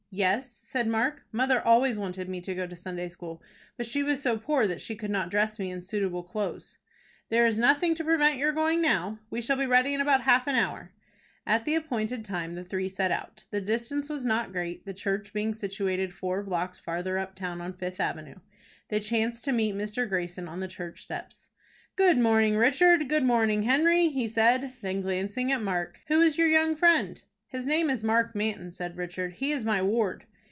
"Yes," said Mark. "Mother always wanted me to go to Sunday school, but she was so poor that she could not dress me in suitable clothes." "There is nothing to prevent your going now. We shall be ready in about half an hour." At the appointed time the three set out. The distance was not great, the church being situated four blocks farther up town on Fifth Avenue. They chanced to meet Mr. Greyson on the church steps. "Good morning, Richard. Good morning, Henry," he said. Then, glancing at Mark, "Who is your young friend?" "His name is Mark Manton," said Richard. "He is my ward."